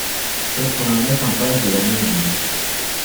quatre-vingt-neuf impasse de la Moline